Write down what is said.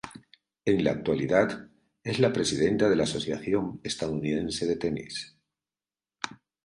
En la actualidad es la presidenta de la Asociación Estadounidense de Tenis.